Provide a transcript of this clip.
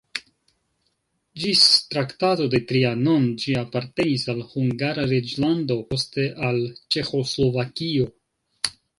Ĝis Traktato de Trianon ĝi apartenis al Hungara reĝlando, poste al Ĉeĥoslovakio.